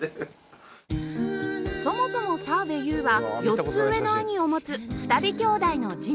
そもそも澤部佑は４つ上の兄を持つ２人兄弟の次男